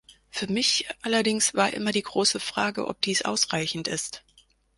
Für mich allerdings war immer die große Frage, ob dies ausreichend ist.